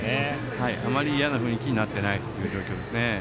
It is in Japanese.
あまり嫌な雰囲気になっていないですね。